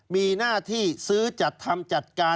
มีหน้าที่ซื้อจัดทำจัดการ